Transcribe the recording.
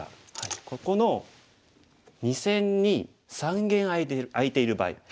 ここの２線に三間空いている場合